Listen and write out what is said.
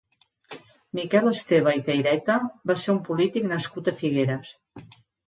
Miquel Esteba i Caireta va ser un polític nascut a Figueres.